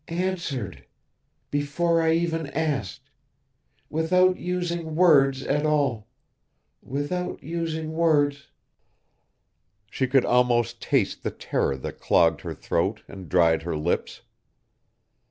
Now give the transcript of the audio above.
(Answered ... before I even asked ... without using words at all ... without using words....) She could almost taste the terror that clogged her throat and dried her lips.